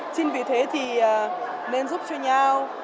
chính vì thế thì nên giúp cho nhau